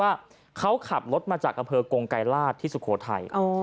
ว่าเขาขับรถมาจากอำเภอกงไกรราชที่สุโขทัย